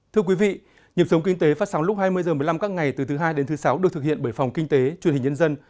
thưa quý vị nhiệm sống kinh tế phát sóng lúc hai mươi h một mươi năm các ngày từ thứ hai đến thứ sáu được thực hiện bởi phòng kinh tế truyền hình nhân dân